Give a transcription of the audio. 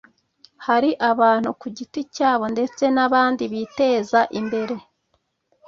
hari abantu ku giti cyabo ndetse nabandi biteza imbere